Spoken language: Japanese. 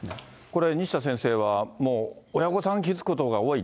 これ、西田先生はもう、親御さん気付くことが多い。